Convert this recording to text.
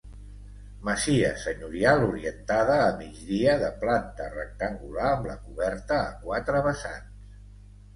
Masia senyorial orientada a migdia de planta rectangular amb la coberta a quatre vessants.